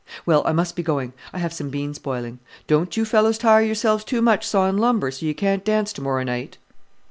Well, I must be going I have some beans boiling. Don't you fellows tire yourselves too much sawing lumber, so you can't dance to morrow night."